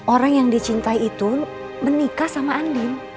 orang yang dicintai itu menikah sama andin